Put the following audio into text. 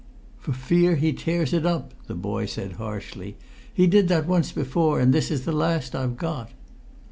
"For fear he tears it up!" the boy said harshly. "He did that once before, and this is the last I've got."